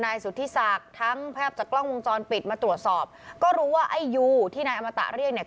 นายสุธิศักดิ์ทั้งภาพจากกล้องวงจรปิดมาตรวจสอบก็รู้ว่าไอ้ยูที่นายอมตะเรียกเนี่ย